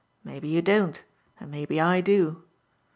Maybe you don't, and maybe I do.